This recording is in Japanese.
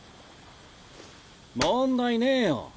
問題ねぇよ。